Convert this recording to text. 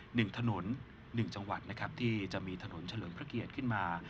หนึ่งถนนหนึ่งจังหวัดนะครับที่จะมีถนนเฉลิมพระเกียรติขึ้นมา